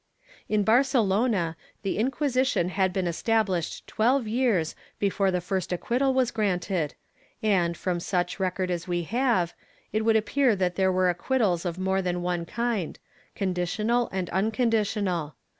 In Barcelona, the Inquisition had been estabhshed twelve years before the first acquittal was granted, and, from such record as we have, it would appear that there were acquittals of more than one kind — conditional and unconditional.